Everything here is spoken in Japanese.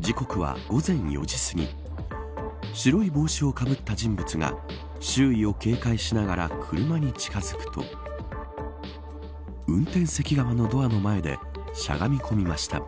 時刻は午前４時すぎ白い帽子をかぶった人物が周囲を警戒しながら車に近づくと運転席側のドアの前でしゃがみこみました。